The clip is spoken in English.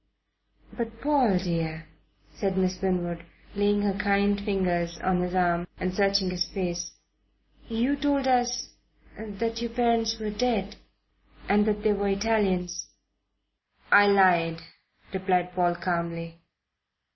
"But, Paul dear," said Miss Winwood, laying her kind fingers on his arm and searching his face, "you told us that your parents were dead and that they were Italians." "I lied," replied Paul calmly.